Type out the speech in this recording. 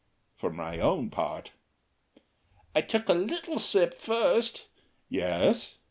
For my own part "I took a little sip first." "Yes?"